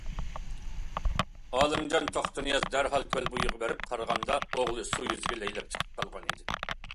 ئالىمجان توختىنىياز دەرھال كۆل بويىغا بېرىپ قارىغاندا ئوغلى سۇ يۈزىگە لەيلەپ چىقىپ قالغان ئىدى.